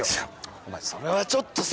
お前それはちょっとさ。